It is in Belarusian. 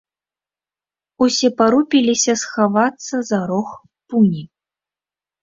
Усе парупіліся схавацца за рог пуні.